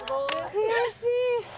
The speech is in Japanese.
悔しい。